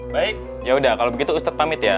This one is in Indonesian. baik ya udah kalau begitu ustadz pamit ya